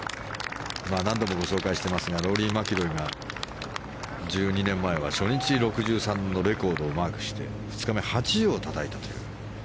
何度もご紹介していますがローリー・マキロイが１２年前は初日６３のレコードをマークして２日目、８０をたたいたと。